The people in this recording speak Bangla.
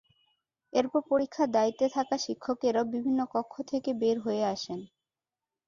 এরপর পরীক্ষার দায়িত্বে থাকা শিক্ষকেরাও বিভিন্ন কক্ষ থেকে বের হয়ে আসেন।